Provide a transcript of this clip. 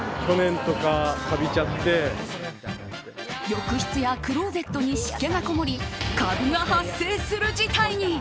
浴室やクローゼットに湿気がこもりカビが発生する事態に。